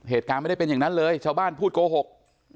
เหตุการณ์ไม่ได้เป็นอย่างนั้นเลยชาวบ้านพูดโกหก